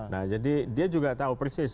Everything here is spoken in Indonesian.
nah jadi dia juga tahu persis